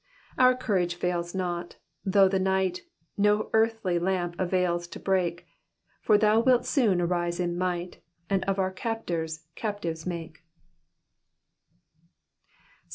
Oar courage fails not, thouerh the night No earthly la nop avails to break. For thou wilt soon nrise in misfht, And of our captors captives make.